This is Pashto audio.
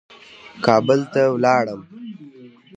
کابل ته ولاړم.